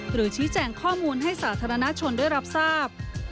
หรือชี้แจงข้อมูลให้สาธารณชนได้รับทราบ